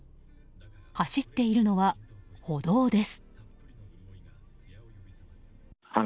走っているのは歩道です。